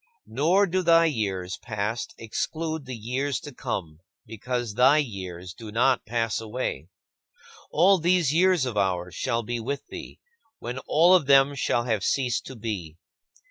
Nor do thy years past exclude the years to come because thy years do not pass away. All these years of ours shall be with thee, when all of them shall have ceased to be.